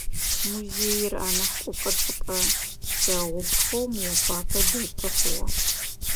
Музеир анахь кӏопӏэ-чӏыпӏэ лъэгъупхъэу Мыекъуапэ дэты хъугъэ.